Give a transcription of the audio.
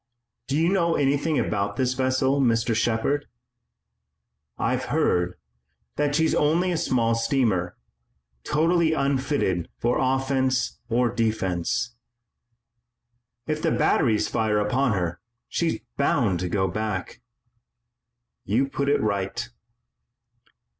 Do you know anything about this vessel, Mr. Shepard?" "I've heard that she's only a small steamer, totally unfitted for offense or defense." "If the batteries fire upon her she's bound to go back." "You put it right."